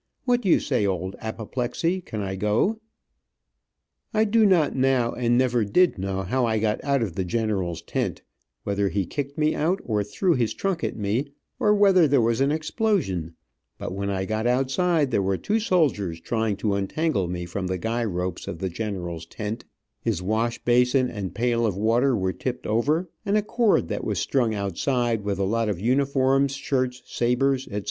What do you say, old apoplexy. Can I go?" [Illustration: Never did know, how I got out of the general's tent 059] I do not now, and never did know, how I got out of the general's tent, whether he kicked me out, or threw his trunk at me, or whether there was an explosion, but when I got outside there were two soldiers trying to untangle me from the guy ropes of the general's tent, his wash basin and pail of water were tipped over, and a cord that was strung outside with a lot of uniforms, shirts, sabers, etc.